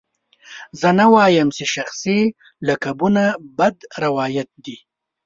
زه نه وایم چې شخصي لقبونه بد روایت دی.